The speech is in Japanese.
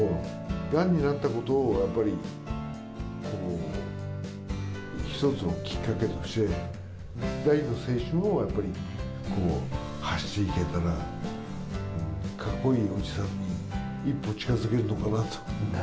がんになったことをやっぱり一つのきっかけとして、第二の青春を走っていけたら、かっこいいおじさんに一歩近づけるのかなと。